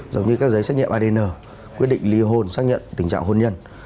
giống như các giấy xét nghiệm adn quyết định ly hôn xác nhận tình trạng hôn nhân